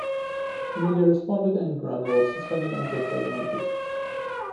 The media responded and Rymer was suspended until further notice.